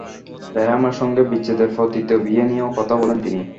রেহামের সঙ্গে বিচ্ছেদের পর তৃতীয় বিয়ে নিয়েও কথা বলেন তিনি।